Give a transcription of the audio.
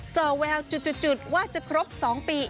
ส่อแววจุดว่าจะครบ๒ปี